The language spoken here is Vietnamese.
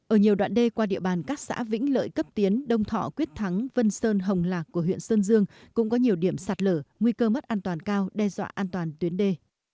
ở nhiều đoạn đê qua địa bàn các xã vĩnh lợi cấp tiến đông thọ quyết thắng vân sơn hồng lạc của huyện sơn dương cũng có nhiều điểm sạt lở nguy cơ mất an toàn cao đe dọa an toàn tuyến đê